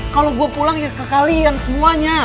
kalau gue pulang ya ke kalian semuanya